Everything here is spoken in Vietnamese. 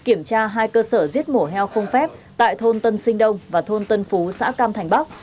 kiểm tra hai cơ sở giết mổ heo không phép tại thôn tân sinh đông và thôn tân phú xã cam thành bắc